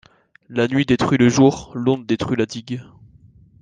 La nuit détruit le jour, l’onde détruit la digue